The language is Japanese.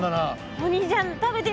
お兄ちゃん食べてみて。